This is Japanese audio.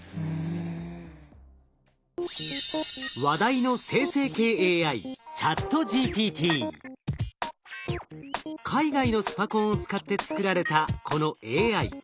話題の海外のスパコンを使って作られたこのＡＩ。